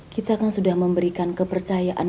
kita kan sudah memberikan kepercayaan